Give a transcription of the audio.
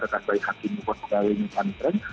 rekan baik hakim pokok kawin pangkang